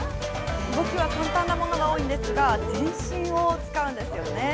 動きは簡単なものが多いんですが、全身を使うんですよね。